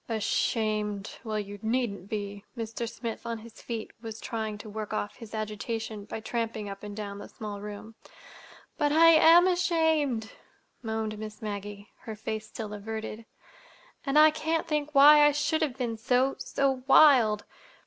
"Ashamed! Well, you needn't be." Mr. Smith, on his feet, was trying to work off his agitation by tramping up and down the small room. "But I am ashamed," moaned Miss Maggie, her face still averted. "And I can't think why I should have been so—so wild.